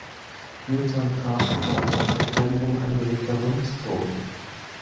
Newtown Castle war ein auf Verteidigung angelegter Rundturm.